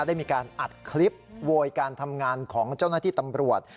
ได้มีการอัดคลิปโวยการทำงานของเจ้าหน้าที่ตำรวจ